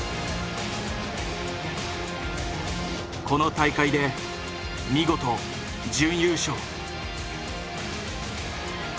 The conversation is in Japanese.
この大会で見事準優勝。